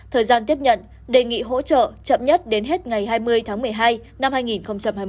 thời gian tiếp nhận đề nghị hỗ trợ chậm nhất đến hết ngày hai mươi tháng một mươi hai năm hai nghìn hai mươi